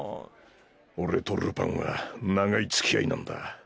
俺とルパンは長い付き合いなんだ。